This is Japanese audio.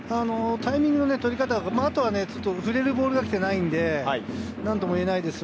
タイミングの取り方、あとは振れるボールが来てないので何とも言えないです。